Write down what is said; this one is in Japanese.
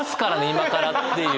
今からっていう。